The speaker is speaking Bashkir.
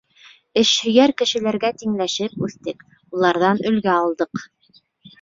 Эшһөйәр кешеләргә тиңләшеп үҫтек, уларҙан өлгө алдыҡ.